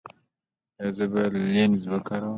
ایا زه باید لینز وکاروم؟